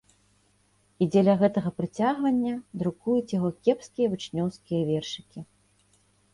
І дзеля гэтага прыцягвання друкуюць яго кепскія вучнёўскія вершыкі.